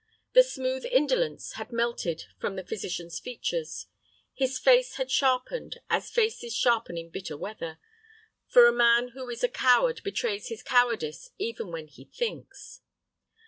The smooth indolence had melted from the physician's features. His face had sharpened as faces sharpen in bitter weather, for a man who is a coward betrays his cowardice even when he thinks.